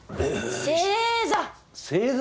正座。